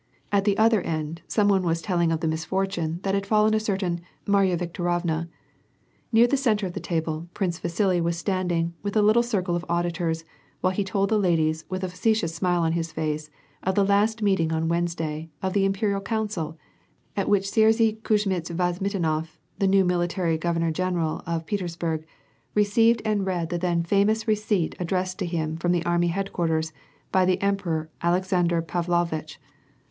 At the other end, some one was telling of the misfortune that had befallen a certain Afarya Viktorovna. Near the centre of the table. Prince Vasili was standing, with a little circle of auditors, while h.' 1 old the ladies, with a facetious smile on his face, of the last meeting, on Wednesday, of the Imperial Council, at which Sergyei Kuz mitch Vyazmitinof, the new military g()V(a nor gen(u al (»! Petersburg, received and read the then famous res(*ript ad dressed to hiin from the army headquarters, by the Emperor Alexander Pavlovitch.